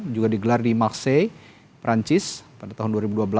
juga digelar di maksei perancis pada tahun dua ribu dua belas